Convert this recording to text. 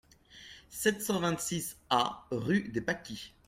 sept cent vingt-six A rue des Pâquis